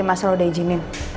kamu yakin mas leluh udah izinin